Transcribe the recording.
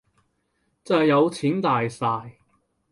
就係有錢大晒